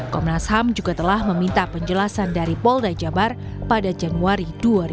komnas ham juga telah meminta penjelasan dari pol dajabar pada januari dua ribu tujuh belas